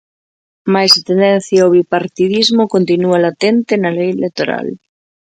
Mais a tendencia ao bipartidismo continúa latente na lei electoral.